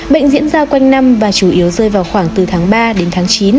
bệnh diễn ra quanh năm và chủ yếu rơi vào khoảng từ tháng ba đến tháng chín